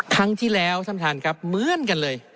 ครั้งที่แล้วท่านท่านครับเหมือนกันเลย